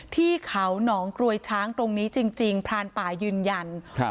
ที่เขาหนองกรวยช้างตรงนี้จริงจริงพรานป่ายืนยันครับ